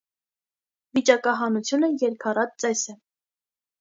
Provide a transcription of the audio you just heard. Վիճակահանությունը երգառատ ծես է։